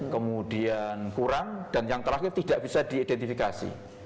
kemudian kurang dan yang terakhir tidak bisa diidentifikasi